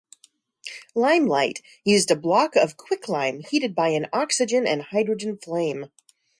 Limelight used a block of quicklime heated by an oxygen and hydrogen flame.